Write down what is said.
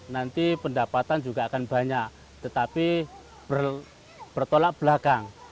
nanti pendapatan juga akan banyak tetapi bertolak belakang